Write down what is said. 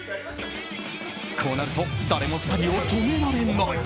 こうなると誰も２人を止められない。